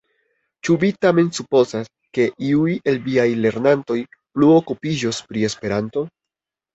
Ĉu vi tamen supozas, ke iuj el viaj lernantoj plu okupiĝos pri Esperanto?